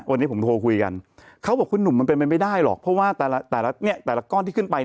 วันนี้ผมโทรคุยกันเขาบอกคุณหนุ่มมันเป็นไปไม่ได้หรอกเพราะว่าแต่ละแต่ละเนี่ยแต่ละก้อนที่ขึ้นไป